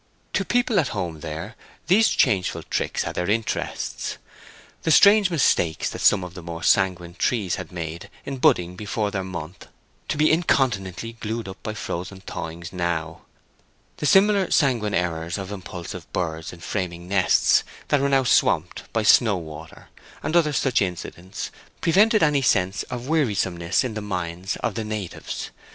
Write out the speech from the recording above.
To people at home there these changeful tricks had their interests; the strange mistakes that some of the more sanguine trees had made in budding before their month, to be incontinently glued up by frozen thawings now; the similar sanguine errors of impulsive birds in framing nests that were now swamped by snow water, and other such incidents, prevented any sense of wearisomeness in the minds of the natives.